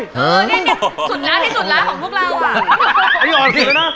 สุดร้านที่สุดร้านของพวกเราอ่ะ